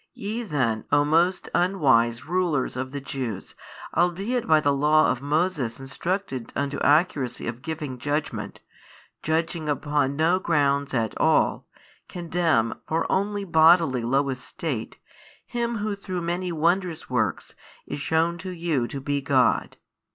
YE then, O most unwise rulers of the Jews, albeit by the Law of Moses instructed unto accuracy of giving judgment, judging upon no grounds at all, condemn for only bodily low estate Him Who through many wondrous works is shewn to you to be God.